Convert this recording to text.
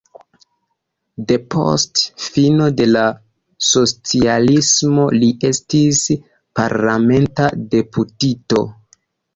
Depost fino de la socialismo li estis parlamenta deputito.